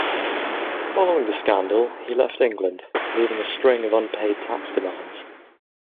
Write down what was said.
Following the scandal, he left England, leaving a string of unpaid tax demands.